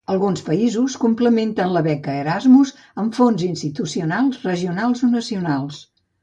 Alguns països complementen la beca Erasmus amb fons institucionals, regionals o nacionals.